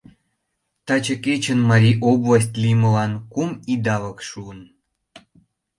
Таче кечын Марий область лиймылан кум идалык шуын.